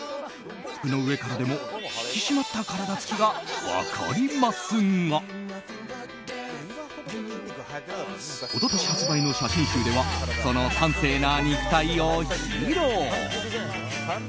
服の上からでも引き締まった体つきが分かりますが一昨年発売の写真集ではその端正な肉体を披露。